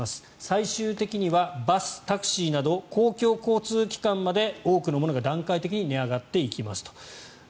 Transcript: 最終的にはバス、タクシーなど公共交通機関まで多くのものが段階的に値上がっていきますと。